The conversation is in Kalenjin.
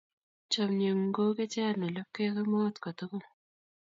Chomye ng'ung' kou kecheyat ne lapkeei kemout tukul.